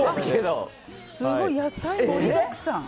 すごい、野菜盛りだくさん！